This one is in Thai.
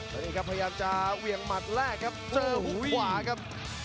แล้วนี่ครับพยายามจะเหวี่ยงหมัดแรกครับเจอหูขวาครับ